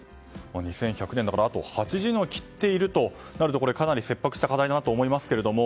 ２１００年だからあと８０年を切っているとなるとかなり切迫した課題だなと思いますけれども。